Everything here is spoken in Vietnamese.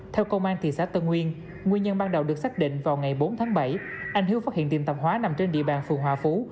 theo công an thị xã tân nguyên nhân ban đầu được xác định vào ngày bốn tháng bảy anh hiếu phát hiện tiệm tạp hóa nằm trên địa bàn phường hòa phú